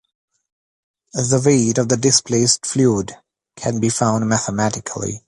The weight of the displaced fluid can be found mathematically.